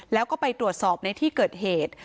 แล้วก็ไปตรวจสอบในที่เกิดเหตุ